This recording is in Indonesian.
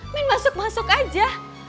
men masuk masuk aja